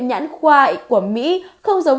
nhãn khoai của mỹ không giống